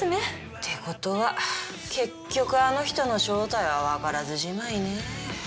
って事は結局あの人の正体はわからずじまいね。